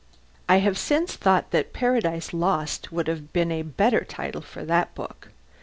I have since thought that "Paradise Lost" would have been a better title for that book.